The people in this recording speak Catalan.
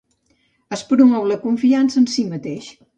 Es promou la confiança en si mateix.